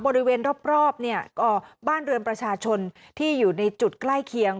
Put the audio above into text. บริเวณรอบเนี่ยก็บ้านเรือนประชาชนที่อยู่ในจุดใกล้เคียง